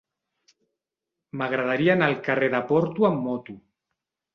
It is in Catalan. M'agradaria anar al carrer de Porto amb moto.